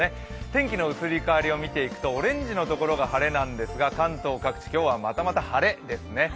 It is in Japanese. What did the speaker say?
天気の移り変わりを見ていくとオレンジのところが晴れなんですが関東各地、今日はまたまた晴れですね。